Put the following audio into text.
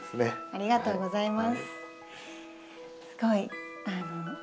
ありがとうございます。